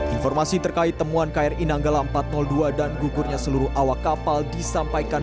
informasi terkait temuan kri nanggala empat ratus dua dan gugurnya seluruh awak kapal disampaikan